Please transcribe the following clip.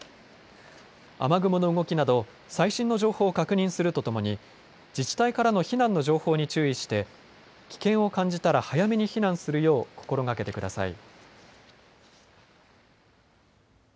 雨雲の動きなど最新の情報を確認するとともに自治体からの避難の情報に注意して危険を感じたら早めに避難するよう心がけてください。